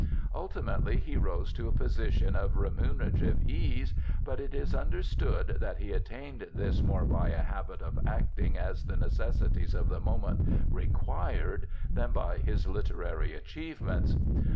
Ultimately he rose to a position of remunerative ease, but it is understood that he attained this more by a habit of acting as the necessities of the moment required than by his literary achievements.